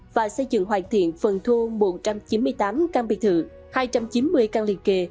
và xây dựng hoàn thiện phần thu một trăm chín mươi tám căn biệt thự hai trăm chín mươi căn liên kề